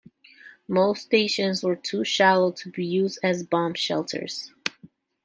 Most stations were too shallow to be used as bomb shelters.